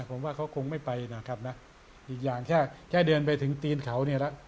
ผมว่าเขาคงไม่ไปนะครับนะอีกอย่างแค่แค่เดินไปถึงตีนเขาเนี่ยละ